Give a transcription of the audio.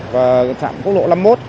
và trạm quốc lộ năm mươi một